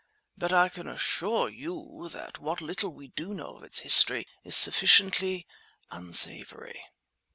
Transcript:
But I can assure you that what little we do know of its history is sufficiently unsavoury."